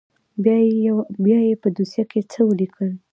بيا يې په دوسيه کښې څه وليکل.